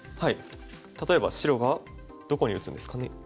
例えば白がどこに打つんですかね。